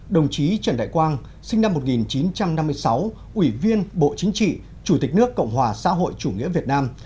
đồng chí trần đại quang sinh năm một nghìn chín trăm năm mươi sáu ủy viên bộ chính trị chủ tịch nước cộng hòa xã hội chủ nghĩa việt nam